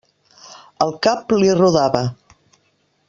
El cap li rodava.